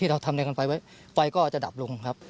ที่เราทำเนียวกันไฟไว้ไฟก็อาจจะดับลงครับ